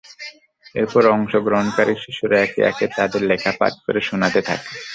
এরপর অংশগ্রহণকারী শিশুরা একে একে তাদের লেখা পাঠ করে শোনাতে থাকে।